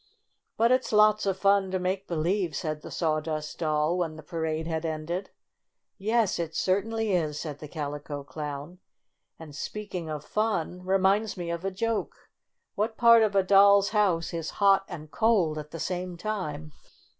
"But it's lots of fun to make believe!" said the Sawdust Doll, when the parade had ended. "Yes, it certainly is!" said the Calico Clown. "And, speaking of fun, reminds # me of a joke. What part of a doll's house is hot and cold at the same time?"